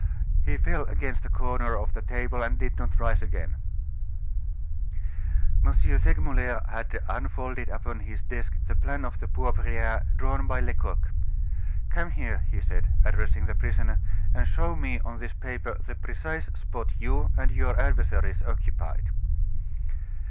He fell against a corner of the table, and did not rise again." M. Segmuller had unfolded upon his desk the plan of the Poivriere drawn by Lecoq. "Come here," he said, addressing the prisoner, "and show me on this paper the precise spot you and your adversaries occupied."